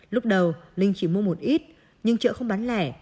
lúc đầu linh chỉ mua một ít nhưng chợ không bán lẻ